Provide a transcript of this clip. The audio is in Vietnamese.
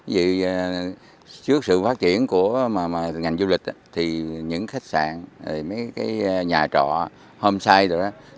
vì trước sự phát triển của ngành du lịch thì những khách sạn mấy cái nhà trọ homessai rồi đó